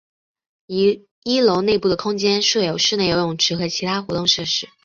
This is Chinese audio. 一楼内部的空间设有室内游泳池和其他活动设施。